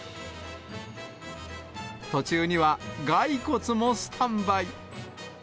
途中には骸骨もスタンバイ。